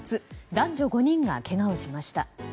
男女５人がけがをしました。